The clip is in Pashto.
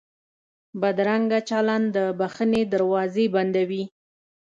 بدرنګه چلند د بښنې دروازې بندوي